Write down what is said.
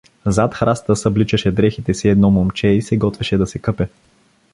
Зад храста събличаше дрехите си едно момче и се готвеше да се къпе.